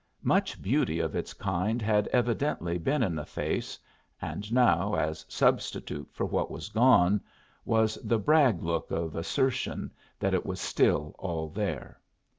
Much beauty of its kind had evidently been in the face, and now, as substitute for what was gone, was the brag look of assertion that it was still all there.